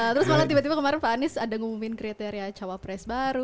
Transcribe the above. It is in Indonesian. terus malah tiba tiba kemarin pak anies ada ngumumin kriteria cawapres baru